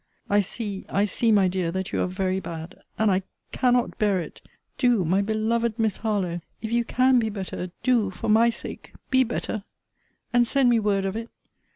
I see, I see, my dear, that you are very bad and I cannot bear it. Do, my beloved Miss Harlowe, if you can be better, do, for my sake, be better; and send me word of it.